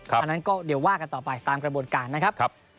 อันนั้นก็เดี๋ยวว่ากันต่อไปตามกระบวนการนะครับ